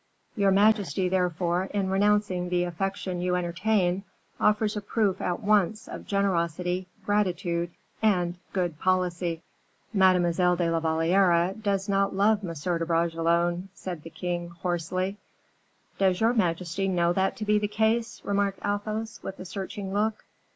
Your majesty, therefore, in renouncing the affection you entertain, offers a proof at once of generosity, gratitude, and good policy." "Mademoiselle de la Valliere does not love M. de Bragelonne," said the king, hoarsely. "Does your majesty know that to be the case?" remarked Athos, with a searching look.